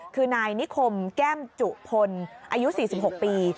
คือนายนิคมแก้มจุพลอายุ๔๖ปี